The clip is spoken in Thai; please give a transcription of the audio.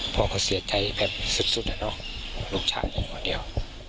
พ่อเขาเสียใจแพบสุดนะเนอะลูกชายคนเดียว